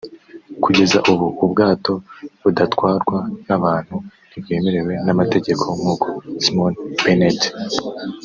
Kugeza ubu ubwato budatwarwa n’abantu ntibwemewe n’amategeko nk’uko Simon Bennett